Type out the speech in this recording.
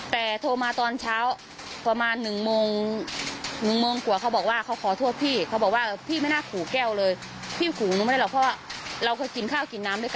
แต่โทรมาตอนเช้าประมาณ๑โมง๑โมงกว่าเค้าบอกว่าเขาขอโทษพี่